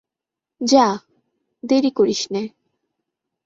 যা, দেরি করিস নে।